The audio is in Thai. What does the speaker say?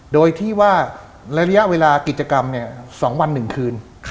โดยที่ว่าระยะเวลากิจกรรม๒วัน๑คืน